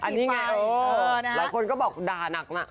อันนี้ไงหลายคนก็บอกด่านัก